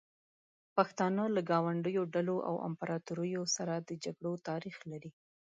پښتانه له ګاونډیو ډلو او امپراتوریو سره د جګړو تاریخ لري.